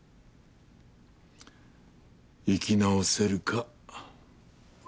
生き直せるか。